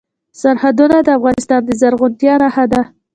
سرحدونه د افغانستان د زرغونتیا نښه ده.